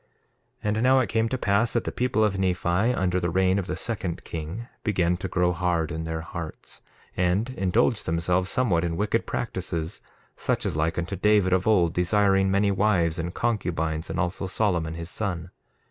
1:15 And now it came to pass that the people of Nephi, under the reign of the second king, began to grow hard in their hearts, and indulge themselves somewhat in wicked practices, such as like unto David of old desiring many wives and concubines, and also Solomon, his son.